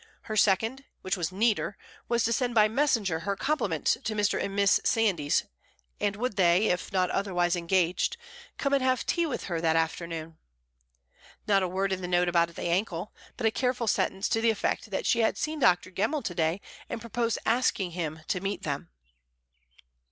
Her second, which was neater, was to send by messenger her compliments to Mr. and Miss Sandys, and would they, if not otherwise engaged, come and have tea with her that afternoon? Not a word in the note about the ankle, but a careful sentence to the effect that she had seen Dr. Gemmell to day, and proposed asking him to meet them.